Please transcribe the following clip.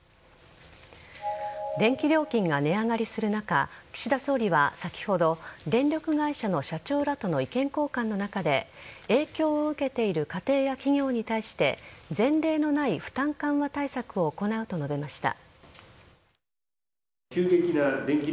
電気料金が値上がりする中岸田総理は先ほど電力会社の社長らとの意見交換の中で影響を受けている家庭や企業に対して前例のない負担緩和対策を行うと述べました。